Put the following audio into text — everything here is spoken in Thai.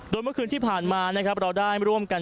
โดยเมื่อคืนที่ผ่านมานะครับเราได้ร่วมกัน